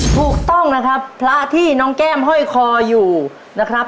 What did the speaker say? ถูกต้องนะครับพระที่น้องแก้มห้อยคออยู่นะครับ